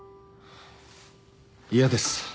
嫌です。